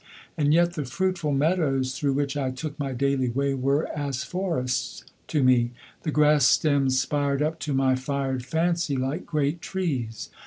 And yet the fruitful meadows through which I took my daily way were as forests to me; the grass stems spired up to my fired fancy like great trees.